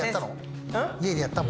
家でやった？